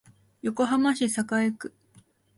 横浜市栄区